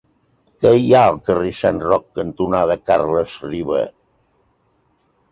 Què hi ha al carrer Sant Roc cantonada Carles Riba?